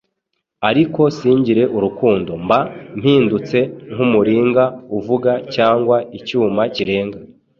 ariko singire urukundo, mba mpindutse nk’umuringa uvuga cyangwa icyuma kirenga.